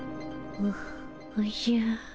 おおじゃ。